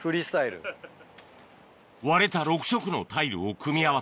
割れた６色のタイルを組み合わせ